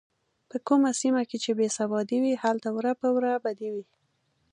په کومه سیمه کې چې بې سوادي وي هلته وره په وره بدي وي.